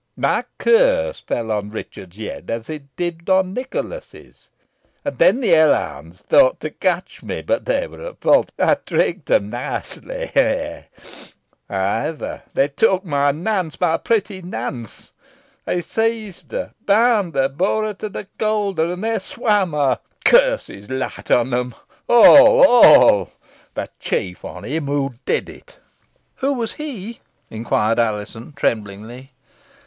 My curse fell on Richard's head, as it did on Nicholas's. And then the hell hounds thought to catch me; but they were at fault. I tricked them nicely ha! ha! However, they took my Nance my pretty Nance they seized her, bound her, bore her to the Calder and there swam her. Curses light on them all! all! but chief on him who did it!" "Who was he?" inquired Alizon, tremblingly.